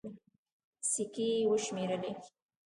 سيکې يې وشمېرلې.